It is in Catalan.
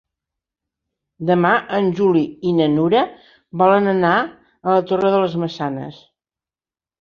Demà en Juli i na Nura volen anar a la Torre de les Maçanes.